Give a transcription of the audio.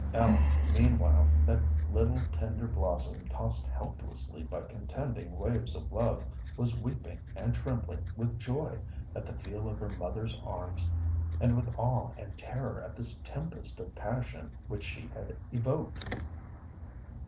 Ellen, meanwhile, that little tender blossom tossed helplessly by contending waves of love, was weeping and trembling with joy at the feel of her mother's arms and with awe and terror at this tempest of passion which she had evoked.